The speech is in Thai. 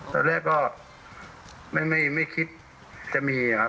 ตอนแรกก็ไม่คิดจะมีครับ